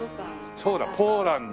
そうだポーランド。